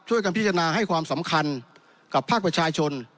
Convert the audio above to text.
การพิจารณาให้ความสำคัญกับภาคประชาชน